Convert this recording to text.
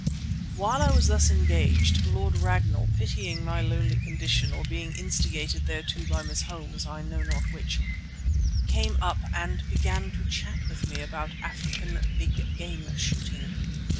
While I was thus engaged, Lord Ragnall, pitying my lonely condition, or being instigated thereto by Miss Holmes, I know not which, came up and began to chat with me about African big game shooting.